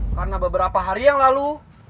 karena beberapa hari yang lalu